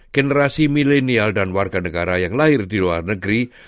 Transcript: generasi milenial dan warga negara yang lahir di luar negeri